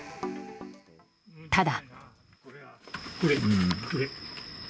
ただ。